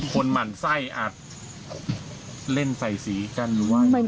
หมั่นไส้อาจเล่นใส่สีกันหรือว่า